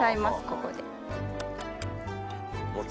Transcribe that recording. ここで。